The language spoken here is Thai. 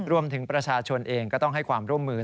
รวมถึงประชาชนเองก็ต้องให้ความร่วมมือ